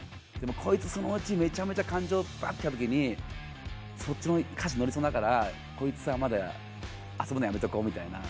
でもそのうちめちゃめちゃ感情がばーっときたときにそっちの歌詞乗りそうだからまだ遊ぶのやめとこう。